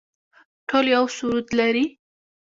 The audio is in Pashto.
ټول یو سرود لري